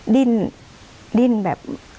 ดิ้นดิ้นแบบ